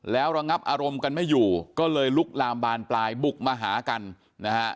แล้วระงับอารมณ์กันไม่อยู่ก็เลยลุกลามบานปลายบุกมาหากันนะฮะ